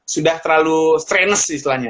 sudah terlalu strenes istilahnya